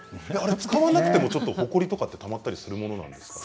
使わなくてもほこりとかってたまったりするものなんですか？